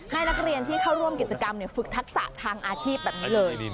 ให้นักเรียนที่เขาร่วมกิจกรรมเนี่ยฝึกทัศน์ศาสตร์ทางอาชีพแบบนี้เลย